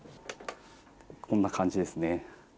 こんな感じですね。